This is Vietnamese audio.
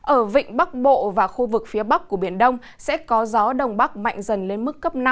ở vịnh bắc bộ và khu vực phía bắc của biển đông sẽ có gió đông bắc mạnh dần lên mức cấp năm